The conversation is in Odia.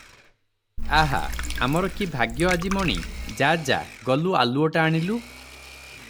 ଆହା, ଆମର କି ଭାଗ୍ୟ ଆଜି ମଣି! ଯା, ଯା, ଗଲୁ ଆଲୁଅଟା ଆଣିଲୁ ।